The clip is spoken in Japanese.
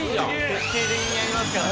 徹底的にやりますから。